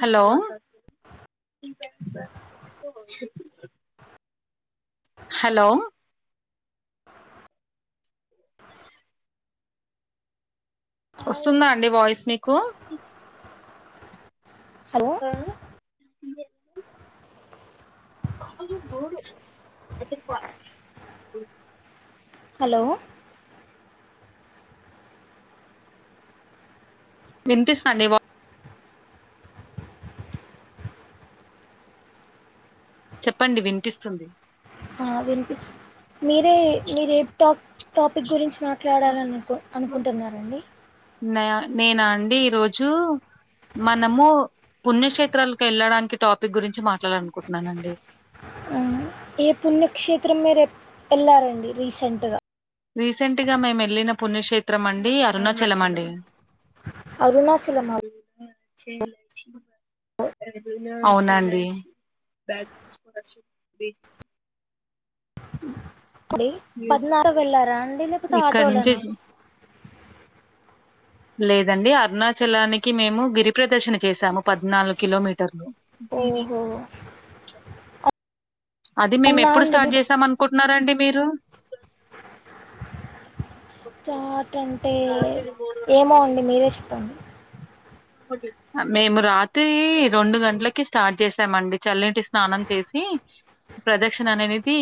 Hello hello సూ వస్తుందా అండి వాయిస్ మీకు హలో ఆ ఇ [unintelligible] కా బ అ ప [inaudible] హలో వినిపిస్తాండి మీ వాయిస్ చెప్పండి వినిపిస్తుంది వినిపిస్త మీరే మీరు ఏ టాప్ టాపిక్ గురించి మాట్లాడాలీ అని అనుకుంటున్నారంండి న నేనా అండి ఈరోజు మనము పుణ్యక్షేత్రాలకు వెళ్ళడానికి టాపిక్ గురించి మాట్లాడలి ఆనుకుంటున్నానండి ఆ, ఏ పుణ్యక్షేత్రం మీరు వెళ్ళారండి రీసెంట్గా రీసెంట్గా మేము వెళ్ళిన పుణ్యక్షేత్రం అండి అరుణాచలం అండి అరుణాచలమ అవున అండి బక్ అడి పద్నాలులో వెళ్ళారా అండి లేకపోతే ఇక్కడ నుంచి ఆటోలనా లేదండి అరుణాచలానికి మేము గిరి ప్రదర్శన చేసాము పద్నాలుగు కిలోమీటర్ ను ఓహో అది మేము అవునా ఎప్పుడు అండి స్టార్ట్ మీరు చేసాం అనుకుంట న్నారంండి మీరు స్టార్ట్ అంటే ఏమో అండి మీరే చె అ మేము రాత్రి రెండు గంటలకి స్టార్ట్ చేసామండి చల్లటి స్నానం చేసి ప్రదక్షిణ అనేది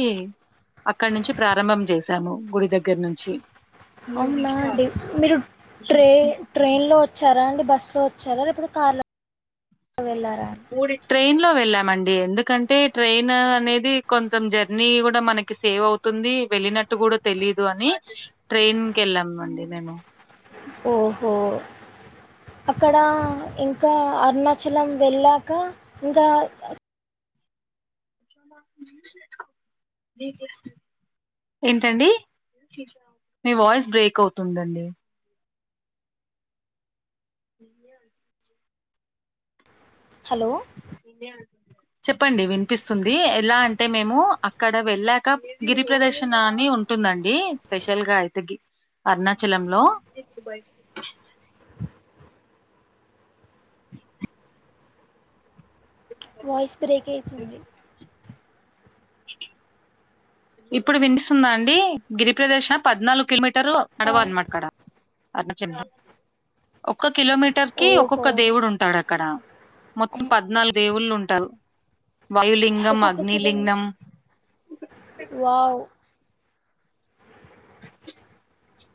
అక్కడి నుంచి ప్రారంభం చేసాము గుడి దగ్గర నుంచి అవునా అండి మీరు ట్రే ట్రైన్ లో వచ్చారా అండి బ స్ లో వచ్చారా లేపోతే కార్లా ఊడి ట్రైన్ లో వెళ్ళాం మండి. ఎందుకంటే ట్రైన్ అనేది కొంచం జర్నీ కూడా మనకి సేవ్ అవుతుంది. వెళ్ళినట్టు గూడా తెలీదు అని ట్రైన్ కేళ్ళాంమండి. మేము ఓహో అక్కడ ఇంకా అరుణాచలం వెళ్ళాకా ఇంకా ఆ ఏంటండి. మీ వాయిస్ బ్రేక్ అవుతుందండి [unintelligible] హలో చెప్పండి వినిపిస్తుంది. ఎలా అంటే మేము అక్కడ వెళ్ళాక గిరి ప్రదర్శన అని ఉంటుందండి స్పెషల్ గా అయితే. గిర్ అరుణాచ్ చలంలో వాయిస్ బ్రేక్ అయితుంది ఇప్పుడు వినిస్తుందా అండి. గిరి ప్ర్రదేశ్ పద్నాలుగు కిలోమీట్ టార్లో ఆ, నడవ అంమాకడా అట్నా చిన్ చ్ ఒక్క కిలోమీటర్ కి ఓహో ఒక్కొక్క దేవుడు ఉంటాడక్ అక్కడ మొత్తం అమ్, పద్నాలుగు దేవుళ్ళు ఉంటారు. వాయులింగం, ఒక్కొక్క కిలో అగ్నిలింగం వావ్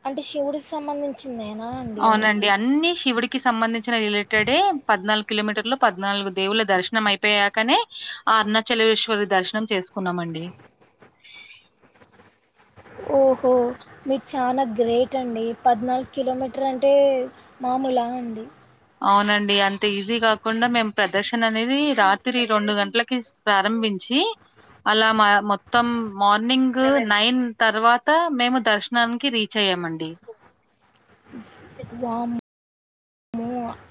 అంటే శివుడికి సంబంధించ్ అవునండి అన్నిశివుడిక్ కి సంబంధించిన రిలేటెడే పద్నాగు కిలోమీటర్లు, పద్నాలుగు దేవుల దర్శనం అయిపోయాకనే. ఆ అర్నచలేశ్వరి దర్శనం చేసుకున్నామండి. ఓహో మీరు చానా గ్రేట్ అండి. పద్నాలుగు కిలోమీటర్ అంటే మామూలా అండి. అవునండి. అంత ఈజీ కాకుండా మేము ప్రదర్శన అనేది రాత్రి రెండు గంటలకి ప్రారంభించి. అలా మా మొత్తం మార్నింగ్ నైన్ తర్వాత మేము దర్శనానికి రీచ్ అయ్యామండి. వామ్మో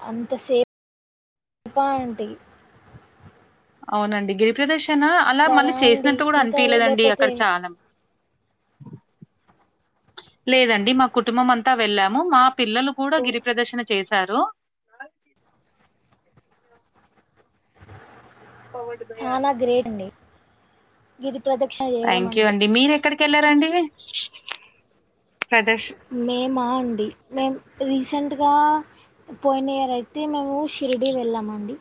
అంత సే పా అండి అవునండి గిరిప్రదేశ్ నా అలా మళ్ళీ రా అండి చేసినట్టు కూడా ఇంకా అనిపిలేదండి. లేకపోతే అక్కడ చాలా లేదండి. మా కుటుంబం అంతా వెళ్ళాము మా పిల్లలు కూడా ఓ, గిరి ప్రదర్శన చేస్ సారు చానా గ్రేట్ అండి. గిరి ప్రదక్షిణ చేయడం థ్యాంక్ యూ అంటే అండి. మీరు ఎక్కడ కేళ్లారండి. మేమా అండి. మేం రీసెంట్గా పోయిన ఇయర్ అయితే. అయితే మేము షిరిడీ వెళ్ళామండి.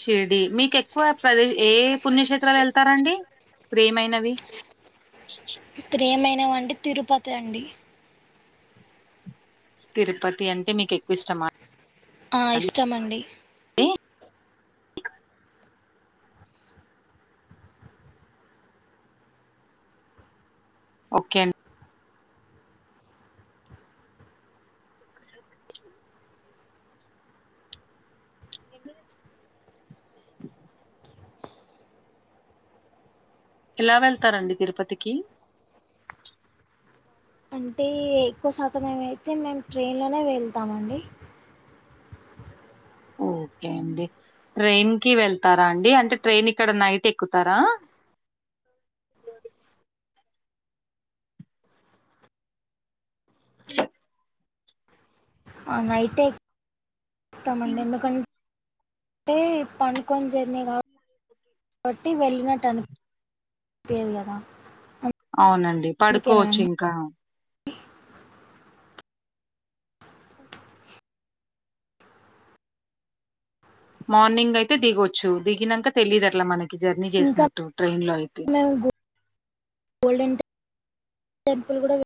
షిరిడి మీకు ఎక్కువ ప్రదే ఏ పుణ్యక్షేత్రాలు వెళ్తారండి ప్రేయమైనవి. ప్రేయమైన. నో అండి తిరుపతి అండి. తిరుపతి అంటే మీకు ఎక్కువ ఇష్టమా అం ఆహ్ ఇష్టము అండి. అండి ఓకే అండి. సరిగా మిషొ [unintelligible] ఎలా వెళ్తారండి తిరుపతికి. అంటే ఎక్కువ శాతం ఏమైతే మేము ట్రైన్లోనే వెళ్తామండి. ఓకే అండి ట్రైన్ కి వెళ్తారా అండి అంటే ట్రైన్ ఇక్కడ నైట్ ఎక్కుతారా. ఆ నైటే. ఇస్తామండి ఎందుకంటే. అంటే పడుకొని జర్నీ కాబ కాబట్టి వెళ్ళినట్టు అను అనిపియ్యదు కదా. అవునండి అందుకేనా పడుకోవచ్చు అండి ఇంకా. మార్నింగ్ అయితే దిగొచ్చు దిగినాంక తెలీదు అట్లా మనకి. జర్నీ ఇంకా చేసినట్టు ట్రైన్ లో అయితే. మేము గోల్డెన్ టెంపుల్ కూడా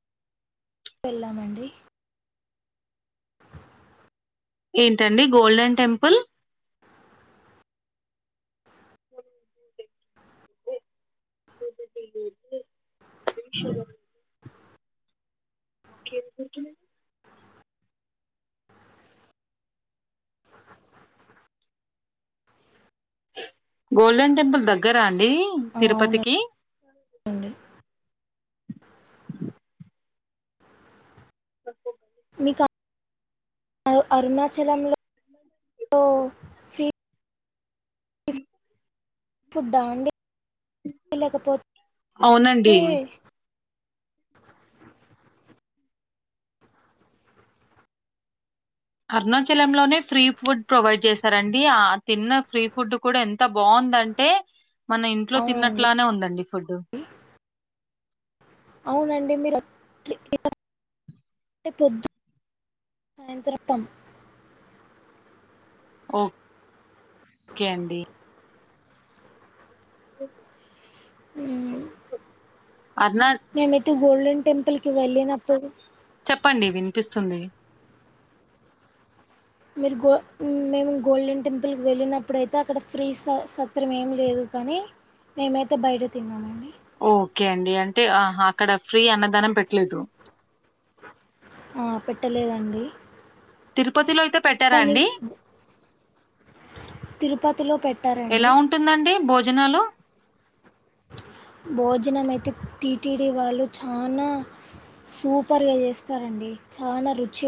వెళ్ళామండి. ఏంటండి గోల్డెన్ టెంపుల్. ఓకేవుంచున్నవ్. గోల్డెన్ టెంపుల్ దగ్గర అండి. దేహి ఆ తిరుపతికి. అవునండి ఉమ్ మీకు అరుణాచలంలో ఫ్రీ. ఉ ఫుడ్ ఆ అండి లేకపోతే అవునండి. అయితే అరుణాచలంలోనే ఫ్రీ ఫుడ్ ప్రొవైడ్ చేశారండి. ఆ తిన్న ఫ్రీ ఫుడ్ కూడా ఎంత బాగుందంటే. మన ఇంట్లో అవునండి తిన్నట్లానే ఉందండి ఫుడ్. అవునండి మీరు పొద్దు సాయంత్రం. ఓ ఓకే అండి. ఓ ఉమ్ అరణ. గోల్డన్ టెంపుిల్ కి వెళ్ళనప్పుడు చెప్పండి వినిపిస్తుంది మీరు గో మేము గోల్డెన్ టెంపుల్ కి వెళ్ళినప్పుడయితే అక్కడ ఫ్రీ స సత్రం ఎం లేదు కానీ మేమైతే బయట తిన్నామండి ఓకే అండి అంటే అహ అక్కడ ఫ్రీ అన్నదానం పెట్లేదు ఆ పెట్టలేదండి తిరుపతిలో అయితే పెట్టారా కానీ అండి తిరుపతిలో పెట్టారండి ఎలా ఉంటుందండి భోజ జనాలు భోజనం అయితే టీటిడి వాళ్ళు చానా సూపర్గా చేస్తారండి చాలా రుచి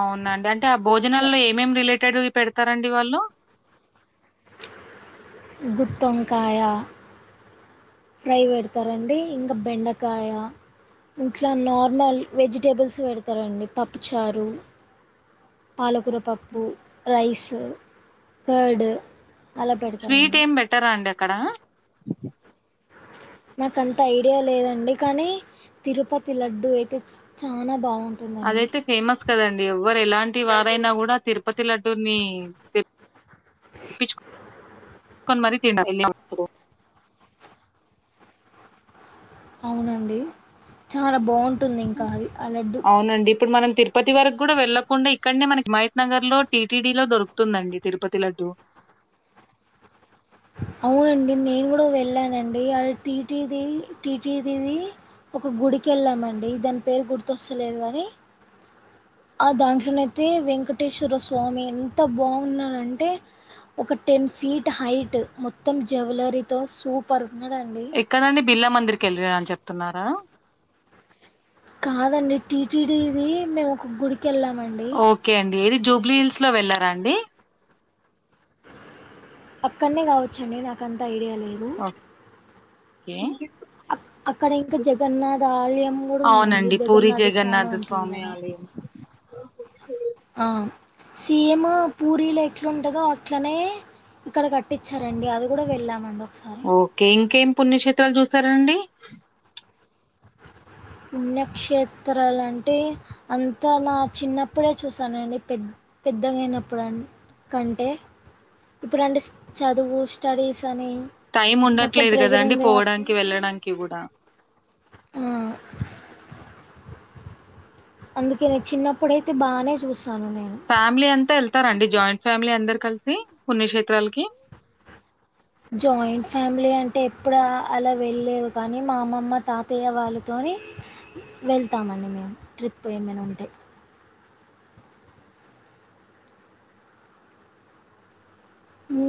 అవునండి అంటే ఆ భోజనాల్లో ఏమేం రిలేటెడ్ పెడతారండి వాళ్ళు గుతొంకాయ ఫ్రై పెడతారండి ఇంకా బెండకాయ ఇంట్లా నార్మల్ వెజిటేబుల్స్ పెడతారండి పప్పుచారు పాలకూర పప్పు రైస్ కర్డ్ అలా స్వీట్ పెడతారండి. ఏం బెట్టార అండి అక్కడ నాకంత ఐడియా లేదండి కానీ తిరుపతి లడ్డూ అయితే చాలా బాగు అదైతే ఫేమస్ కదండి ఎవ్వరు ఎలాంటి వారైనా కూడా తిరుపతి లడ్డూర్ని తే ప్పీచ్ కొని మరి తిన్ అవునండి చాలా బాగుం టుంది ఇంకా అది అ లడ్డు అవునండి. ఇప్పుడు మనం తిరుపతి వరకు కూడా వెళ్ళకుండా ఇక్కడనే మనకి హిమాయత్ నగర్ లో టీటిడి లో దొరుకుతుందండి తిరుపతి లడ్డు అవునండి నేను కూడా వెళ్ళానండి అది టీటీది టీటీదిది ఒక గుడికి వెళ్ళామండి దాని పేరు గుర్తొస్తలేదు కాని ఆ దాంట్లోనయితే వెంకటేశ్వర స్వామి ఎంత బాగున్నారంటే ఒక టెన్ ఫీట్ హైట్ మొత్తం జువెలరీతో సూపర్ ఉన్నాడండి ఎక్కడండి బిర్లా మందిర్ కెళ్ళిరా ఆన్ చెప్ ప్తున్నారా కాదండి టీటిడిది మేము ఒక గుడి ఓకే అండి ఏది జూబ్ బ్లీహిల్స్ లో వెళ్ళారా అండి అక్కడనే కావచ్చండి నాకంత ఐడియా లే దు కే అక్కడ ఇంకా జగన్నాథ ఆలయం కూడా ఉందండి అవునండి పూరి జగన్నాథ స్వామి ఉంటడు కదా స ఆ సేమ్ పూరీల ఎట్లాంటదో అట్లనే ఇక్కడ కట్టించారండి అది కూడా వెళ్ళామండి ఓక్ ఓకే ఇంకేం పుణ్యక్షేత్రాలు చూసారండి పుణ్యక్షేత్రాలంటే అంతా నా చిన్న ఇప్పుడే చూసానండి పె పెద్దగాయినప్పుడు కంటే ఇప్పుడుంటే చదువు స్టడీస్ అని టైం మొత్తం ఉండట్లేదు కదా ప్రెషర్ అండి ఉంది కాబట్టి పోవడానికి వెళ్ళడానికి కూడా ఆ అందుకేను చిన్నప్పుడైతే బానే చూస్తా ఫ్యామిలీ అంతా వెళ్తారంండి జాయింట్ ఫ్యామిలీ అందరు కలిసి పుణ్యక్షేత్రాలకి జయింట్ ఫ్యామిలి ఫమిలీ అంటే ఎప్పుడు అలా వెళ్ళలేదు కానీ మా అమ్మమ్మ తాతయ్య వాళ్ళతో వెళ్తామండి మేము ట్రిప్పు ఏమైనా ఉంటే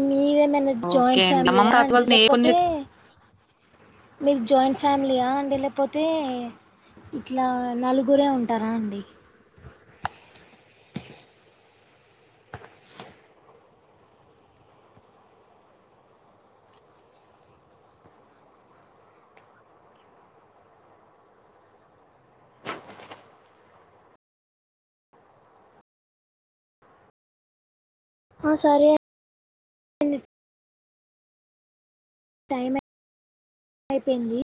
మీదే మన్న ఓకే జాయింట్ అండి అమ్మమ్మ ఫ్యామిలీయా తాత అండి వాళ్ళని ఏ లేకపోతే పుణ్య మీరు జాయింట్ ఫ్యామిలీయా అండి లేకపోతే ఇట్లా నలుగురే ఉంటారా అండి ఆ సారే టైం అయిపోయింది